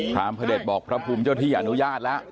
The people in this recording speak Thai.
ภาร์มเผด็ชบอกพระคุมเจ้าที่อ่านุญาตแล้ว